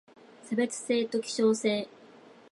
差別性と希少性